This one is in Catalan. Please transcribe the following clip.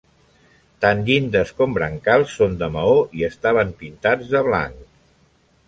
Tant llindes com brancals són de maó i estaven pintats de blanc.